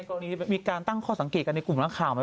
ตอนนี้มีการตั้งข้อสังเกตกันในกลุ่มนักข่าวไหม